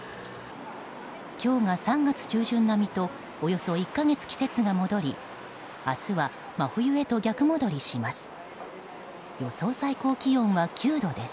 今日が３月中旬並みとおよそ１か月、季節が戻り明日は真冬へと逆戻りします。